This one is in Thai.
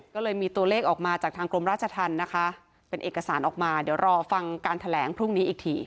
ก็เลยมีตัวเลขออกมาจากทางกรมราชธรรมนะคะเป็นเอกสารออกมาเดี๋ยวรอฟังการแถลงพรุ่งนี้อีกที